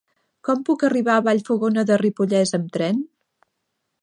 Com puc arribar a Vallfogona de Ripollès amb tren?